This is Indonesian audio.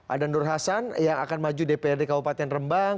ada nur hasan yang akan maju dprd kabupaten rembang